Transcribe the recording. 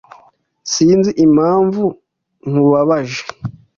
Sinzi impamvu nkubabaje.